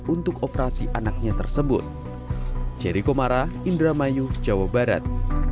untuk operasi anaknya tersebut jerry komara indramayu jawa barat